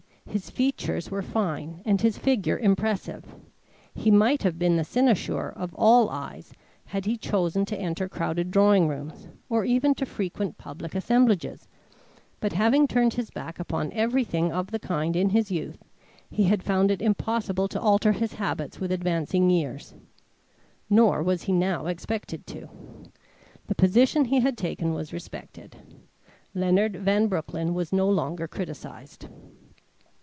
His features were fine and his figure impressive. He might have been the cynosure of all eyes had he chosen to enter crowded drawing rooms, or even to frequent public assemblages, but having turned his back upon everything of the kind in his youth, he had found it impossible to alter his habits with advancing years; nor was he now expected to. The position he had taken was respected. Leonard Van Broecklyn was no longer criticized.